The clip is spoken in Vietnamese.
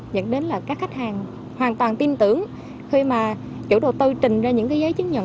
nhận đến là các khách hàng hoàn toàn tin tưởng khi mà chủ đồ tư trình ra những cái giấy chứng nhận